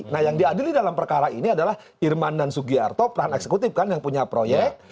nah yang diadili dalam perkara ini adalah irman dan sugiarto peran eksekutif kan yang punya proyek